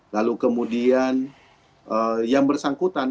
lalu kemudian yang bersangkutan